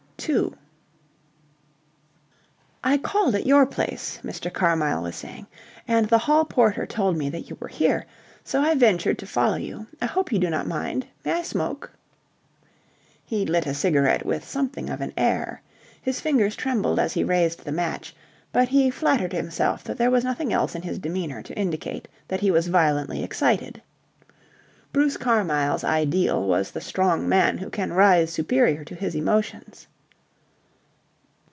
2 "I called at your place," Mr. Carmyle was saying, "and the hall porter told me that you were here, so I ventured to follow you. I hope you do not mind? May I smoke?" He lit a cigarette with something of an air. His fingers trembled as he raised the match, but he flattered himself that there was nothing else in his demeanour to indicate that he was violently excited. Bruce Carmyle's ideal was the strong man who can rise superior to his emotions.